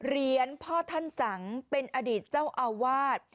เหรียญพ่อท่านสังเป็นอดีตเจ้าอาวาส